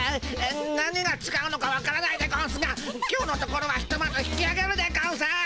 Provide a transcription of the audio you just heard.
何がちがうのかわからないでゴンスが今日のところはひとまず引きあげるでゴンス。